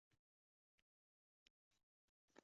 Faollikni qo‘ldan bermay kelayotgandi.